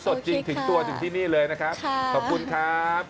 สดจริงถึงตัวถึงที่นี่เลยนะครับขอบคุณครับ